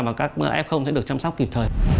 và các f sẽ được chăm sóc kịp thời